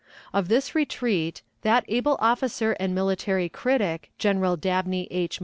Of this retreat, that able soldier and military critic, General Dabney H.